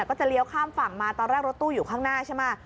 ก็จะเลี้ยวข้ามฝั่งมาตอนแรกรถตู้อยู่ข้างหน้าใช่ไหม